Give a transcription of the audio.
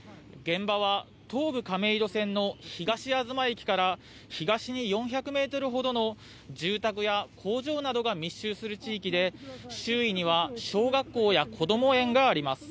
現場は東武亀戸線の東あずま駅から東に４００メートルほどの住宅や工場などが密集する地域で周囲には小学校やこども園があります。